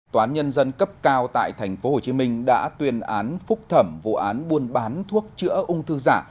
tòa án nhân dân cấp cao tại tp hcm đã tuyên án phúc thẩm vụ án buôn bán thuốc chữa ung thư giả